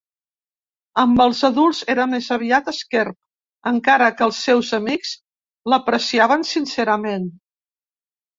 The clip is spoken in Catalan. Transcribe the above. Amb els adults era més aviat esquerp, encara que els seus amics l'apreciaven sincerament.